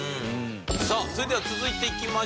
さあそれでは続いていきましょうか。